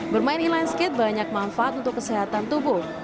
bermain inline skate banyak manfaat untuk kesehatan tubuh